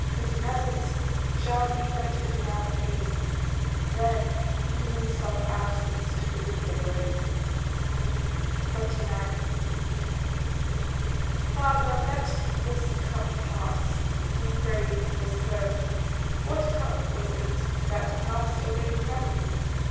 His presence shall be better in our pain, Than even self absence to the weaker brain. 29. "Father, let this cup pass." He prayed was heard. What cup was it that passed away from him?